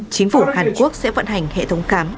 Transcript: chính phủ hàn quốc sẽ vận hành hệ thống khám